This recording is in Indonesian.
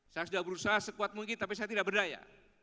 saya sudah berusaha sekuat mungkin tapi saya tidak berdaya